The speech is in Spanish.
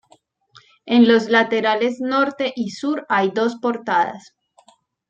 En los laterales norte y sur hay dos portadas.